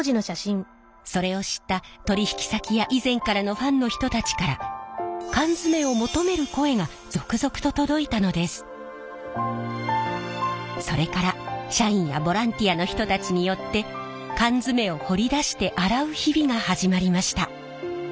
それを知った取引先や以前からのファンの人たちからそれから社員やボランティアの人たちによって缶詰を掘り出して洗う日々が始まりました。